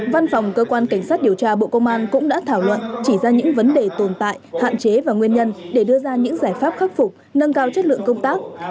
văn phòng cơ quan cảnh sát điều tra bộ công an cũng đã thảo luận chỉ ra những vấn đề tồn tại hạn chế và nguyên nhân để đưa ra những giải pháp khắc phục nâng cao chất lượng công tác